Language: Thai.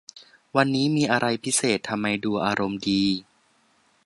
วันนี้มีอะไรพิเศษ ทำไมดูอารมณ์ดี